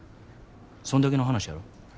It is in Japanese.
そんだけの話やろ。